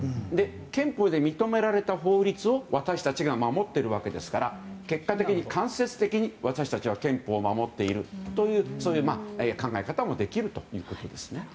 憲法で認められた法律を私たちが守っているわけですから結果的に間接的に私たちは憲法を守っているというそういう考え方もできるということですね。